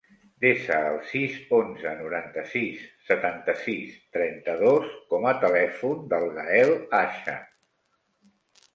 Desa el sis, onze, noranta-sis, setanta-sis, trenta-dos com a telèfon del Gael Acha.